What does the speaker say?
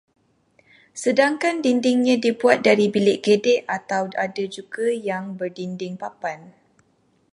Sedangkan dindingnya dibuat dari bilik gedek atau ada juga yang berdinding papan